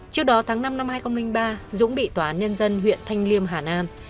trước đó tháng năm năm hai nghìn ba dũng bị tòa án nhân dân huyện thanh liêm hà nam